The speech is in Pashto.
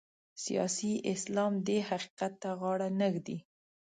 سیاسي اسلام دې حقیقت ته غاړه نه ږدي.